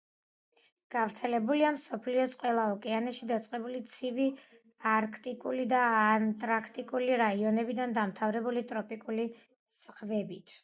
გავრცელებულია მსოფლიოს ყველა ოკეანეში, დაწყებული ცივი არქტიკული და ანტარქტიკული რაიონებიდან დამთავრებული ტროპიკული ზღვებით.